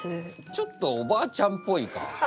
ちょっとおばあちゃんっぽいか。